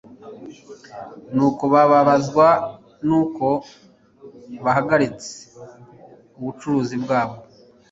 Nuko bababazwa n'uko bahagaritse ubucuruzi bwabo